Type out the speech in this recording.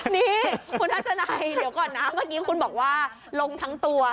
นี่คุณทัศนัยเดี๋ยวก่อนนะเมื่อกี้คุณบอกว่าลงทั้งตัว